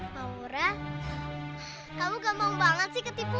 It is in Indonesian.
umurnya kamu gampang banget sih ketipu